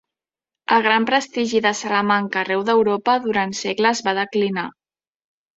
El gran prestigi de Salamanca arreu d'Europa durant segles va declinar.